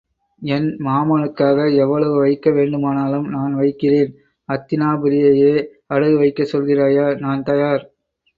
என் மாமனுக்காக எவ்வளவு வைக்க வேண்டுமானாலும் நான் வைக்கிறேன் அத்தினாபுரியையே அடகு வைக்கச் சொல்கிறாயா நான் தயார்.